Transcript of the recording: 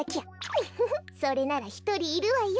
ふふふそれならひとりいるわよ。